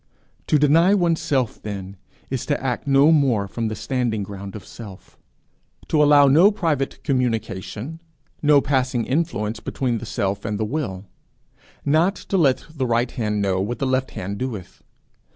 To deny oneself then, is to act no more from the standing ground of self; to allow no private communication, no passing influence between the self and the will; not to let the right hand know what the left hand doeth.